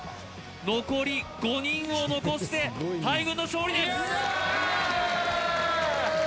残り５人を残して大群の勝利です